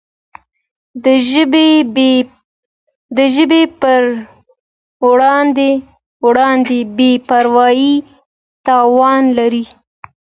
د ژبي پر وړاندي بي پروایي تاوان لري.